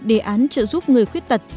đề án trợ giúp người khuyết tật